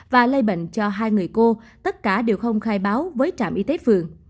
và lây bệnh cho hai người cô tất cả đều không khai báo với trạm y tế phường